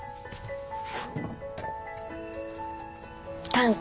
短歌？